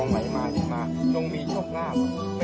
เพียง